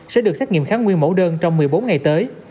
sẽ được xét nghiệm kháng nguyên mẫu đơn trong một mươi bốn ngày tới